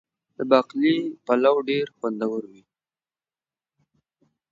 د باقلي پلو ډیر خوندور وي.